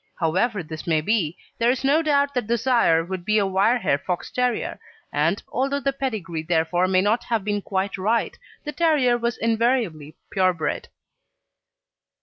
However this may be, there is no doubt that the sire would be a wire hair Fox terrier, and, although the pedigree therefore may not have been quite right, the terrier was invariably pure bred.